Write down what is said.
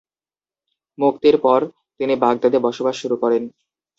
মুক্তির পর তিনি বাগদাদে বসবাস শুরু করেন।